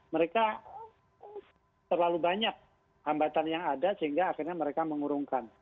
mereka terlalu banyak hambatan yang ada sehingga akhirnya mereka mengurungkan